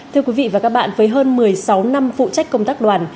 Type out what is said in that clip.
thưa quý vị và các bạn với hơn một mươi sáu năm phụ trách công tác đoàn